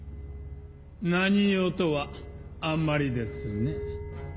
「何用」とはあんまりですね。